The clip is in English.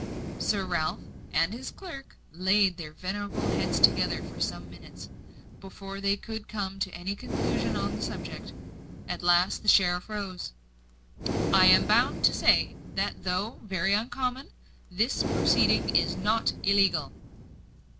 Sir Ralph and his clerk laid their venerable heads together for some minutes, before they could come to any conclusion on the subject. At last the sheriff rose. "I am bound to say, that, though very uncommon, this proceeding is not illegal."